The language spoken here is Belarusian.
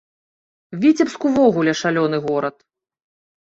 Віцебск увогуле шалёны горад.